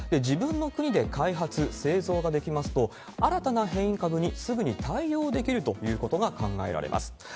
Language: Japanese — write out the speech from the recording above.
自分の国で開発、製造ができますと、新たな変異株にすぐに対応できるということが考えられます。